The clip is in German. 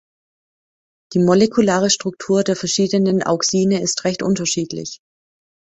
Die molekulare Struktur der verschiedenen Auxine ist recht unterschiedlich.